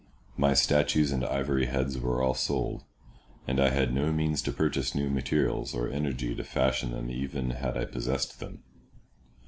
My statues and ivory heads were all sold, and I had no means to purchase new materials, or energy to fashion them even had I possessed them.